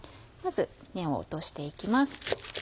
まず根を落として行きます。